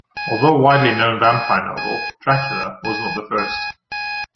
Although a widely known vampire novel, "Dracula" was not the first.